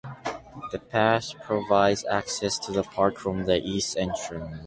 The pass provides access to the park from the east entrance.